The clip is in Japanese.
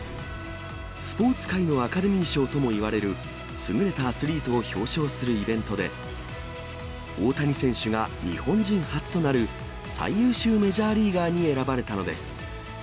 スポーツ界のアカデミー賞ともいわれる優れたアスリートを表彰するイベントで、大谷選手が日本人初となる最優秀メジャーリーガーに選ばれたのです。